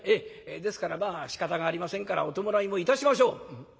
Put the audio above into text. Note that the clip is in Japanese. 「ですからまあしかたがありませんからお葬式もいたしましょう」。